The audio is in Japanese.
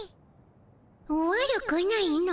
悪くないの。